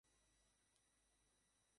অদ্ভুত, sir, shot এখানে না, নিচে।